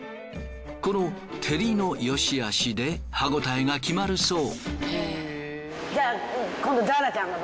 この照りのよしあしで歯ごたえが決まるそう。